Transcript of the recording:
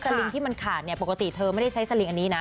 ซึลิงที่มันขาดปกติเธอไม่ได้ใช้ซึลิงนี้นะ